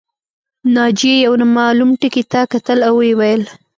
ناجیې یو نامعلوم ټکي ته کتل او ویې ویل